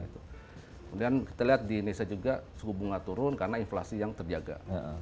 kemudian kita lihat di indonesia juga suku bunga turun karena inflasi yang terjaga